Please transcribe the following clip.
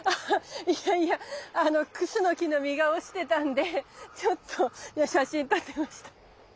いやいやクスノキの実が落ちてたんでちょっと写真撮ってました。